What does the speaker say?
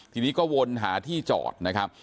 ทีนี้ก็วนหาที่จอดนะครับ